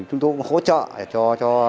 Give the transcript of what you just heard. chúng tôi cũng hỗ trợ cho